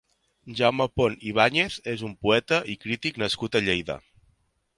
Jaume Pont Ibáñez és un poeta i crític nascut a Lleida.